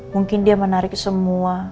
mungkin dia menarik semua